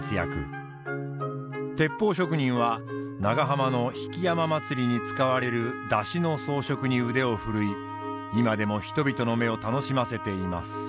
鉄砲職人は長浜の曳山まつりに使われる山車の装飾に腕を振るい今でも人々の目を楽しませています。